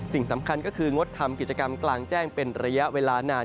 สิ่งสำคัญก็คืองดทำกิจกรรมกลางแจ้งเป็นระยะเวลานาน